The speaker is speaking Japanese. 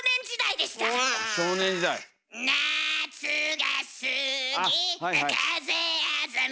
「夏が過ぎ風あざみ」